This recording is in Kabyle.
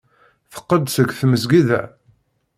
Teqqel-d seg tmesgida.